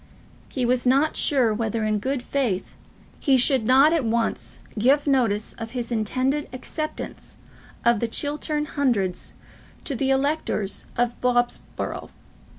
He was not sure whether, in good faith, he should not at once give notice of his intended acceptance of the Chiltern Hundreds to the electors of Bobsborough.